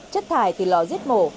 chất thải từ lò giết mổ